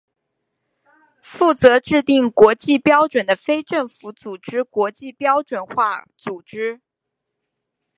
负责制定国际标准的非政府组织国际标准化组织。